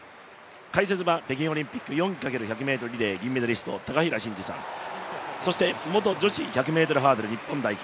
解説は北京オリンピック４×１００ｍリレー代表高平慎士さん、そして元女子１００ｍハードル日本代表